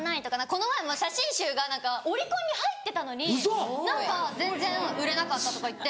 この前も写真集がオリコンに入ってたのに何か全然売れなかったとか言って。